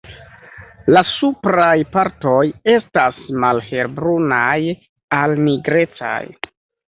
La supraj partoj estas malhelbrunaj al nigrecaj.